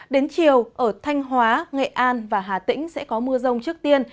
đến chiều ở thanh hóa nghệ an và hà tĩnh sẽ có mưa rông trước tiên